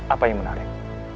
apa yang menarik